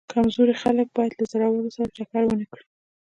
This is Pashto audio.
کمزوري خلک باید له زورورو سره ټکر ونه کړي.